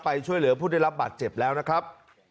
ช่วยเหลือผู้ได้รับบาดเจ็บแล้วนะครับ